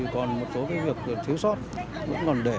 còn một số việc thiếu sót vẫn còn để